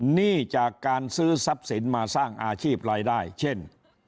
หนี้จากการซื้อทรัพย์สินมาสร้างอาชีพรายได้เช่น